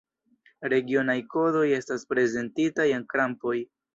Regionaj kodoj estas prezentitaj en krampoj.